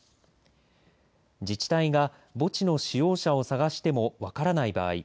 自治体が墓地の使用者を探しても分からない場合